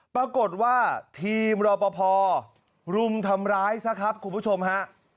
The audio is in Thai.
ปรากฏว่าทีมรอปภรุมทำร้ายซะครับคุณผู้ชมฮะ